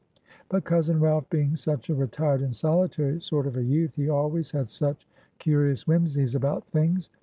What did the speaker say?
But cousin Ralph being such a retired and solitary sort of a youth, he always had such curious whimsies about things.